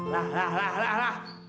lah lah lah lah lah lah